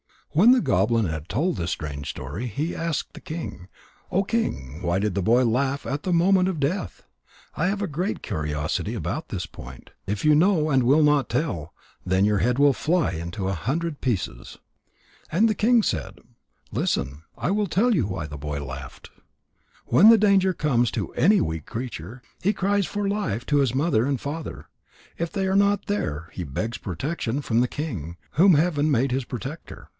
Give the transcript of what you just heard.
When the goblin had told this strange story, he asked the king: "O King, why did the boy laugh at the moment of death? I have a great curiosity about this point. If you know and will not tell, then your head will fly into a hundred pieces." And the king said: "Listen. I will tell you why the boy laughed. When danger comes to any weak creature, he cries for life to his mother and father. If they are not there, he begs protection from the king, whom heaven made his protector.